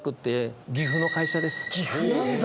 岐阜なんだ！